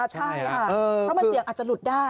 ใช่ค่ะเพราะมันเสี่ยงอาจจะหลุดได้